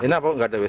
kenapa tidak ada wc